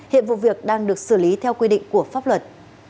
hiện vụ việc đang được xử lý theo quy định của pháp luật